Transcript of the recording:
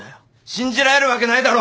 信じられるわけないだろ！